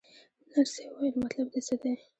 نرسې وویل: مطلب دې څه دی؟